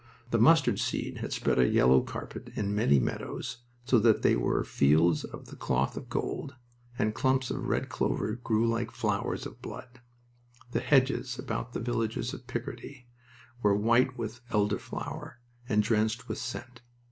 The mustard seed had spread a yellow carpet in many meadows so that they were Fields of the Cloth of Gold, and clumps of red clover grew like flowers of blood. The hedges about the villages of Picardy were white with elderflower and drenched with scent.